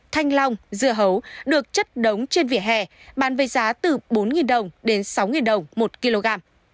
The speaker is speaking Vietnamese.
thanh long dưa hấu được chất đóng trên vỉa hè bán với giá từ bốn đồng đến sáu đồng một kg